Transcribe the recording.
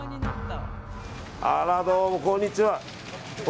あら、どうもこんにちは。